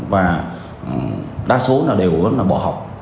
và đa số là đều bỏ học